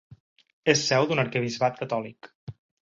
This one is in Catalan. És seu d'un arquebisbat catòlic.